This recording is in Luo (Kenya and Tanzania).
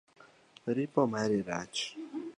Ripo mari rach